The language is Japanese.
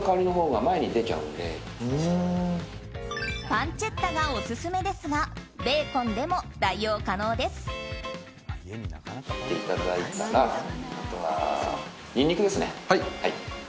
パンチェッタがオススメですがベーコンでも代用可能です。